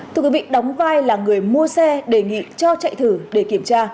thưa quý vị đóng vai là người mua xe đề nghị cho chạy thử để kiểm tra